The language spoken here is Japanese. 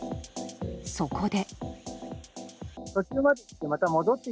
そこで。